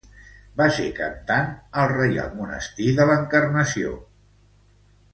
Va ser cantant al Reial Monestir de l'Encarnació a Madrid.